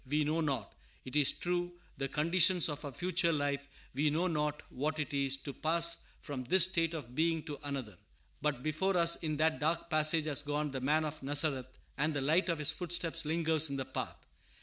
We know not, it is true, the conditions of our future life; we know not what it is to pass fromm this state of being to another; but before us in that dark passage has gone the Man of Nazareth, and the light of His footsteps lingers in the path.